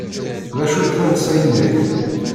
D acu-tt tansa-inek?